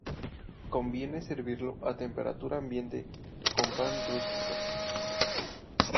Conviene servirlo a temperatura ambiente con pan rústico.